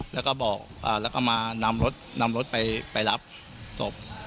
แล้วก็บอกแล้วก็มานำรถนำรถไปรับศพ